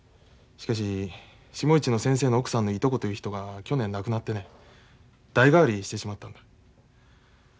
しかし下市の先生の奥さんのいとこという人が去年亡くなってね代替わりしてしまったんだ。